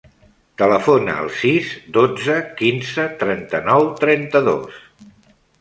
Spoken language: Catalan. Telefona al sis, dotze, quinze, trenta-nou, trenta-dos.